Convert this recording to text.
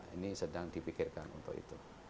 ini sedang dipikirkan untuk itu